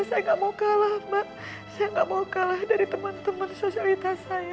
saya gak mau kalah mbak saya gak mau kalah dari teman teman sosialitas saya